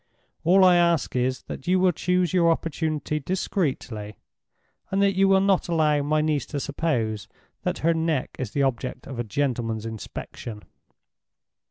All I ask is, that you will choose your opportunity discreetly, and that you will not allow my niece to suppose that her neck is the object of a gentleman's inspection."